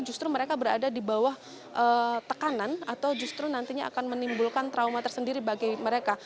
justru mereka berada di bawah tekanan atau justru nantinya akan menimbulkan trauma tersendiri bagi mereka